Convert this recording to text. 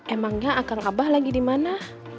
emangnya akang abah lagi dimana